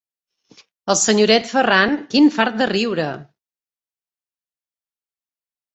El senyoret Ferran, quin fart de riure!